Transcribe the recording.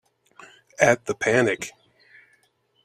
At the Panic!